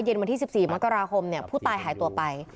เย็นแค่จบสีมากราคมเนี่ยผู้ตายหายตัวไป